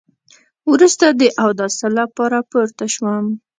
وروسته د اوداسه لپاره پورته شوم.